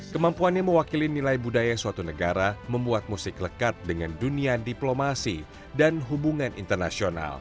kemampuannya mewakili nilai budaya suatu negara membuat musik lekat dengan dunia diplomasi dan hubungan internasional